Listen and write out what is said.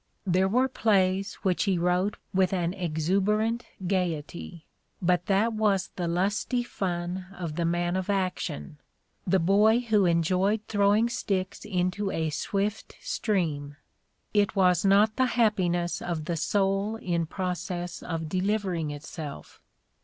'' There were plays which he wrote with an exuber ant gaiety; but that was the lusty fun of the man of action, the boy who enjoyed throwing sticks into a swift stream : it was not the happiness of the soul in process of delivering itself.